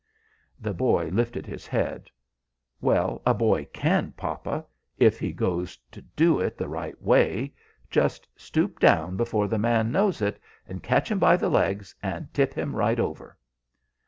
The boy lifted his head. "Well, a boy can, papa, if he goes to do it the right way. Just stoop down before the man knows it, and catch him by the legs and tip him right over."